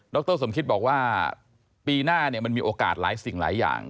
รสมคิตบอกว่าปีหน้าเนี่ยมันมีโอกาสหลายสิ่งหลายอย่าง